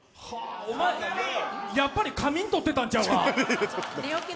お前、やっぱり仮眠取ってたんちゃうか？